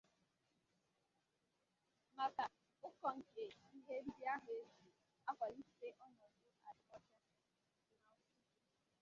maka ụkọ nke ihe ndị ahụ e ji akwalite ọnọdụ adịmọcha.